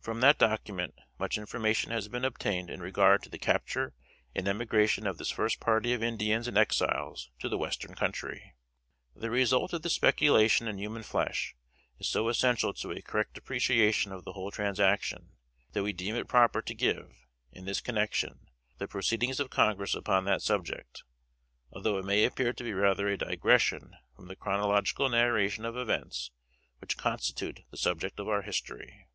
From that document much information has been obtained in regard to the capture and emigration of this first party of Indians and Exiles to the Western Country. The result of this speculation in human flesh is so essential to a correct appreciation of the whole transaction, that we deem it proper to give, in this connection, the proceedings of Congress upon that subject; although it may appear to be rather a digression from the chronological narration of events which constitute the subject of our history.